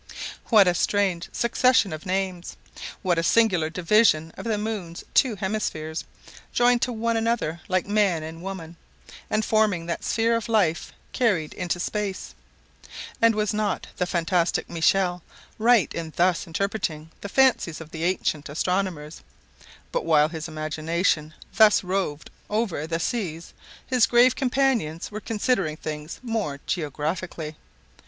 What a strange succession of names! What a singular division of the moon's two hemispheres, joined to one another like man and woman, and forming that sphere of life carried into space! And was not the fantastic Michel right in thus interpreting the fancies of the ancient astronomers? But while his imagination thus roved over "the seas," his grave companions were considering things more geographically.